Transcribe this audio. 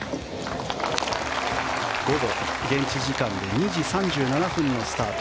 午後、現地時間で２時３７分のスタート